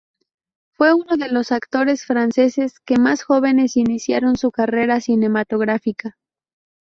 Fue uno de los actores franceses que más jóvenes iniciaron su carrera cinematográfica.